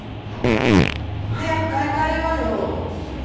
早く買い替えようよ。